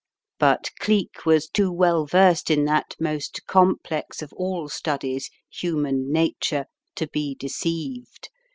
But Cleek was too well versed in that most com* plex of ail studies — human nature — to be deceived.